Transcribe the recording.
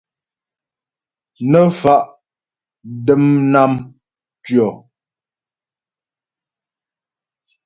Nə́ fa' dəm nám ntʉɔ.